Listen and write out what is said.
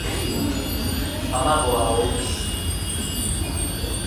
卵はおいしい